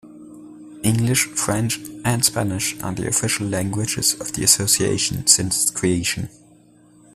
English, French, and Spanish are the official languages of the association since its creation.